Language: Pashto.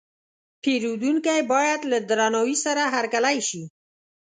پیرودونکی باید له درناوي سره هرکلی شي.